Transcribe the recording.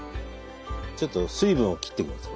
ちょっと水分を切っていきます。